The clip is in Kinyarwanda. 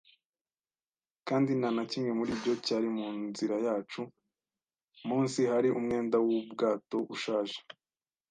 kandi nta na kimwe muri ibyo cyari mu nzira yacu. Munsi hari umwenda wubwato ushaje,